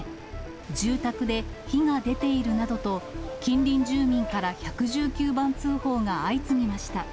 住宅で火が出ているなどと、近隣住民から１１９番通報が相次ぎました。